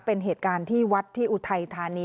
เป็นเหตุการณ์ที่วัดที่อุทัยธานี